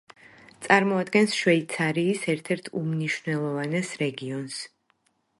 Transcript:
წარმოადგენს შვეიცარიის ერთ-ერთ უმნიშვნელოვანეს რეგიონს.